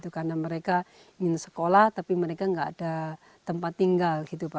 karena mereka ingin sekolah tapi mereka tidak ada tempat tinggal